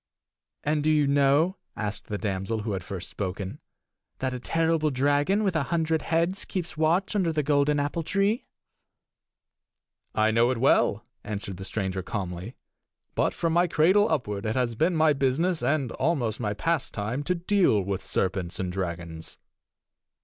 "And do you know," asked the damsel who had first spoken, "that a terrible dragon with a hundred heads keeps watch under the golden apple tree?" "I know it well," answered the stranger calmly. "But from my cradle upward it has been my business, and almost my pastime, to deal with serpents and dragons."